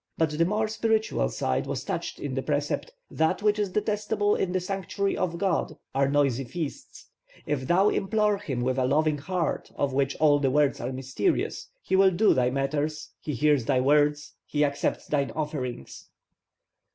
But the more spiritual side was touched in the precept, 'That which is detestable in the sanctuary of god are noisy feasts; if thou implore him with a loving heart, of which all the words are mysterious, he will do thy matters, he hears thy words, he accepts thine offerings.'